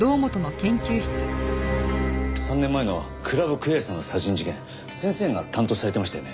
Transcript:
３年前のクラブクエイサーの殺人事件先生が担当されてましたよね？